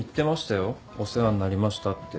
お世話になりましたって。